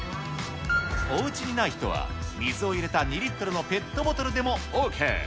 おうちにない人は水を入れた２リットルのペットボトルでもＯＫ。